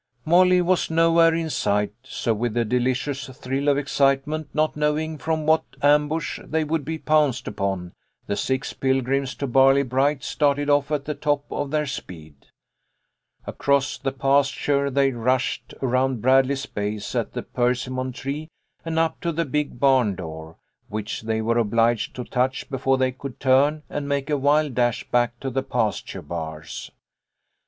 " Molly was nowhere in sight, so with a delicious thrill of excitement, not knowing from what ambush they would be pounced upon, the six pilgrims to Barley bright started off at the top of their speed. "TO THEIR EXCITED FANCY SHE SEEMED A REAL WITCH.' TO BARLE Y BRIGHT. " 57 Across the pasture they rushed, around Bradley's base at the persimmon tree, and up to the big barn door, which they were obliged to touch before they could turn and make a wild dash back to the pasture bars.